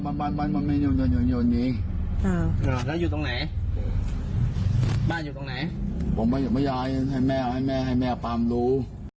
ผมไปย้ายให้แม่ปรามรู้